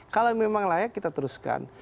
kalau memang layak kita teruskan